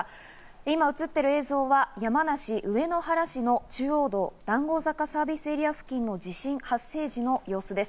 今映っている映像は山梨・上野原市の中央道、談合坂サービスエリア付近の地震発生時の映像です。